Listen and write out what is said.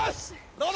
どうだ？